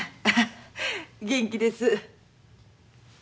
あ元気です。